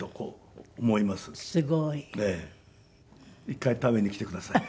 一回食べに来てください。